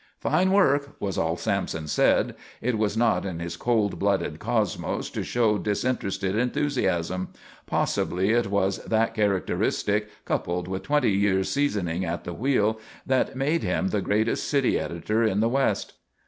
"Fine work!" was all Sampson said; it was not in his cold blooded cosmos to show disinterested enthusiasm. Possibly it was that characteristic, coupled with twenty years' seasoning at the wheel, that made him the greatest city editor in the West.